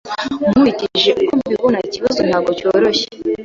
Nkurikije uko mbibona, ikibazo ntabwo cyoroshye.